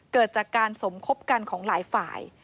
เกิดจากการสมคบกันของหลายฝ่าย